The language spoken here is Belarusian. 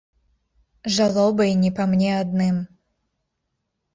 Жалобай не па мне адным.